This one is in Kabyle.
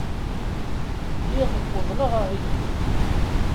Lliɣ uḍneɣ aɣilif.